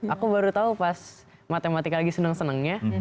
aku baru tahu pas matematika lagi seneng senengnya